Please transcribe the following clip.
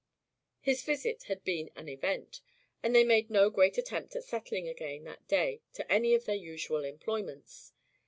His visit had been an event; and they made no great attempt at settling again that day to any of their usual employments.